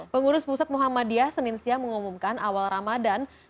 pengurus pusat muhammadiyah senin siang mengumumkan awal ramadan